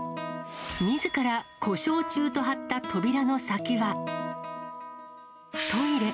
みずから故障中と貼った扉の先は、トイレ。